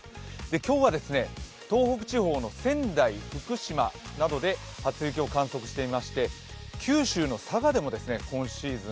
今日は東北地方の仙台、福島などで初雪を観測していまして九州の佐賀でも今シーズン